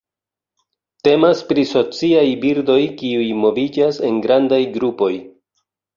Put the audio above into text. Temas pri sociaj birdoj kiuj moviĝas en grandaj grupoj.